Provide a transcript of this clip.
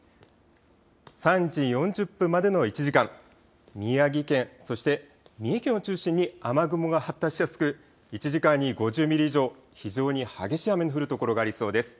３時４０分までの１時間、宮城県、そして三重県を中心に雨雲が発達しやすく１時間に５０ミリ以上、非常に激しい雨の降る所がありそうです。